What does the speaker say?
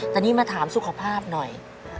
แต่นี่มาถามสุขภาพหน่อย